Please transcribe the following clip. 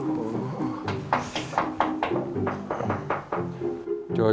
tidak ada yang mau ngomong